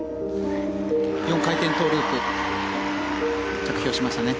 ４回転トウループ着氷しましたね。